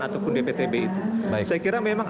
ataupun dptb itu baik saya kira memang